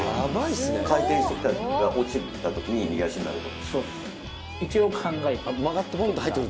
回転してきたら落ちたときに右足になると。